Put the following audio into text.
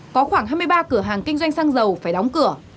có khoảng hai mươi ba cửa hàng kinh doanh xăng dầu phải đóng cửa